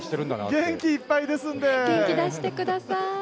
元気いっぱいですんで、元気だしてください。